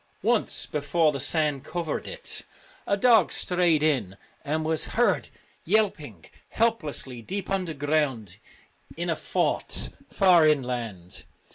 Once, before the sand covered it, a dog strayed in, and was heard yelping helplessly deep underground in a fort far inland.